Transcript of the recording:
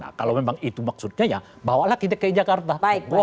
nah kalau memang itu maksudnya ya bawalah ke dki jakarta